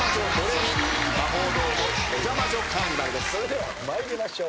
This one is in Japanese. それでは参りましょう。